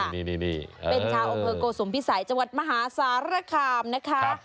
นี่เป็นชาวอำเภอโกสุมพิสัยจังหวัดมหาสารคามนะคะ